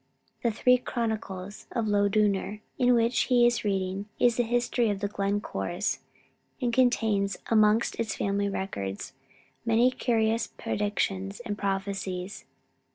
"The Three Chronicles of Loughdooner," in which he is reading, is the history of the Glencores, and contains, amongst its family records, many curious predictions and prophecies.